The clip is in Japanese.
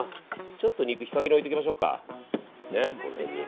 ちょっと肉、日陰に置いておきましょうか。